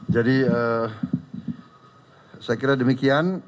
jadi saya kira demikian